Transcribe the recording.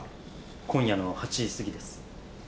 今夜の８時過ぎです。